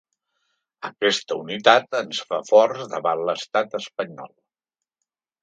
Aquesta unitat ens fa forts davant l’estat espanyol.